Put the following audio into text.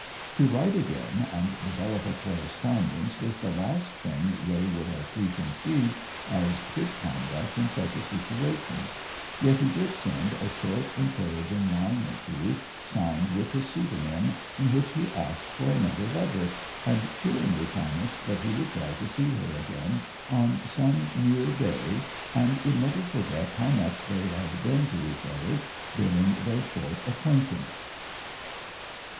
To write again and develop a correspondence was the last thing Raye would have preconceived as his conduct in such a situation; yet he did send a short, encouraging line or two, signed with his pseudonym, in which he asked for another letter, and cheeringly promised that he would try to see her again on some near day, and would never forget how much they had been to each other during their short acquaintance.